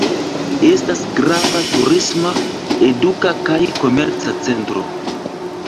Estas grava turisma, eduka kaj komerca centro.